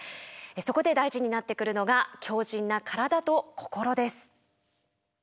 そこで大事になってくるのが強靱な体と心です。